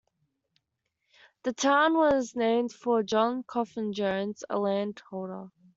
The town was named for John Coffin Jones, a landholder.